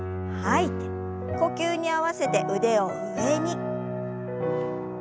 呼吸に合わせて腕を上に。